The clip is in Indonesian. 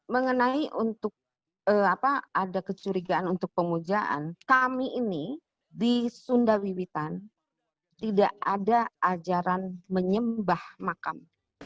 mengenai untuk ada kecurigaan untuk pemujaan kami ini di sundawiwitan tidak ada ajaran menyembah makam